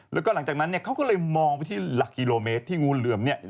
แล้วก็หลังจากนั้นเนี่ยเขาก็เลยมองไปที่หลักกิโลเมตรที่งูเหลือมเนี่ย